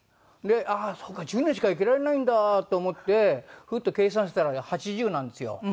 ああーそうか１０年しか生きられないんだと思ってふと計算したらね８０なんですよ。